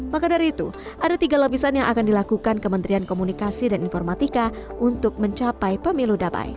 maka dari itu ada tiga lapisan yang akan dilakukan kementerian komunikasi dan informatika untuk mencapai pemilu damai